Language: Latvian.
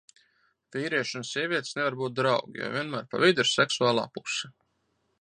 Vīrieši un sievietes nevar būt draugi, jo vienmēr pa vidu ir seksuālā puse.